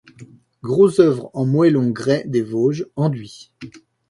Gros oeuvre en moellons grès des Vosges, enduits.